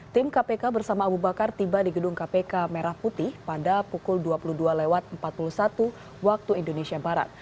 tim kpk bersama abu bakar tiba di gedung kpk merah putih pada pukul dua puluh dua empat puluh satu waktu indonesia barat